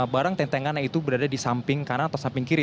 barang tentengan itu berada di samping kanan atau samping kiri